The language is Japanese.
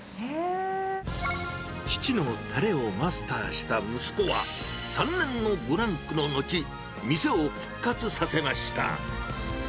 父のたれをマスターした息子は、３年のブランクの後、店を復活させました。